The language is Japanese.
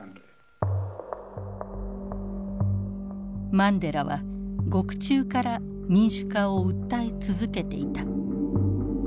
マンデラは獄中から民主化を訴え続けていた。